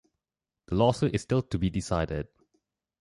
The lawsuit is still to be decided.